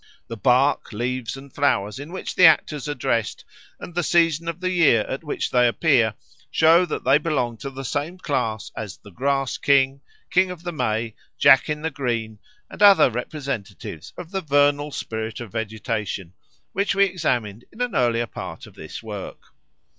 The bark, leaves, and flowers in which the actors are dressed, and the season of the year at which they appear, show that they belong to the same class as the Grass King, King of the May, Jack in the Green, and other representatives of the vernal spirit of vegetation which we examined in an earlier part of this work.